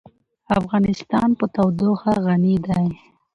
افغانستان په تودوخه غني دی.